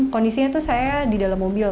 kondisinya tuh saya di dalam mobil